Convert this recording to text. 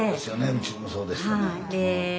うちもそうでしたね。